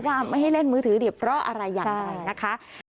ว่าไม่ให้เล่นมือถือเนี่ยเพราะอะไรอย่างไรนะคะ